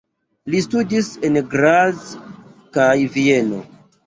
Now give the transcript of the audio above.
Li studis en Graz kaj Vieno.